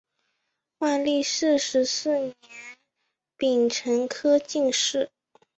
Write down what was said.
万历四十四年丙辰科进士。